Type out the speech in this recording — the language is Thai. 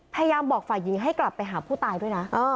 พยายามบอกฝ่ายหญิงให้กลับไปหาผู้ตายด้วยนะ